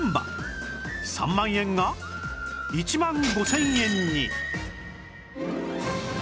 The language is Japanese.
３万円が１万５０００円に！